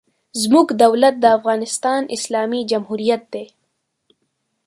زموږ دولت د افغانستان اسلامي جمهوریت دی.